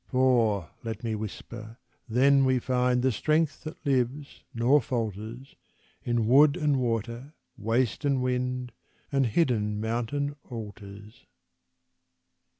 For, let me whisper, then we find The strength that lives, nor falters, In wood and water, waste and wind, And hidden mountain altars.